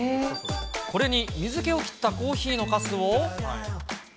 これに水けを切ったコーヒーのかすを。